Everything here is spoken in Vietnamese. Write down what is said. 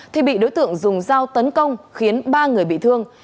thì bị đối tượng dùng dao tấn công khiến ba người bị thương